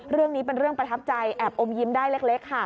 เรื่องนี้เป็นเรื่องประทับใจแอบอมยิ้มได้เล็กค่ะ